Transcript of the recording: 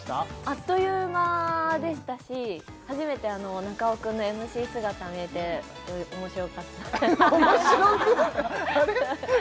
あっという間でしたし初めて中尾君のＭＣ姿見れて面白かった面白くはあれ？